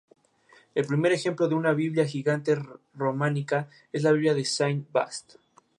El primer ejemplo de una Biblia gigante románica es la Biblia de Saint-Vaast.